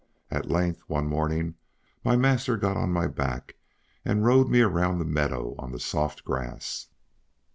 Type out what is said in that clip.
At length, one morning, my master got on my back and rode me around the meadow on the soft grass.